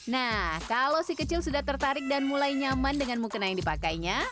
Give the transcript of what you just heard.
nah kalau si kecil sudah tertarik dan mulai nyaman dengan mukena yang dipakainya